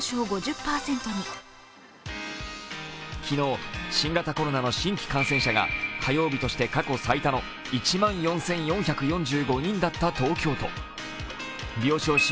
昨日、新型コロナの新規感染者が火曜日として過去最多の１万４４４５人だった東京都。